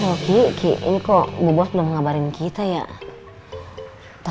rogi rogi ini kok gue belum ngabarin kita ya